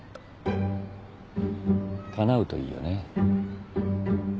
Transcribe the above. かなうといいよね。